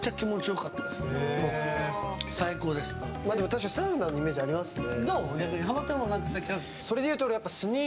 確かにサウナのイメージありますね。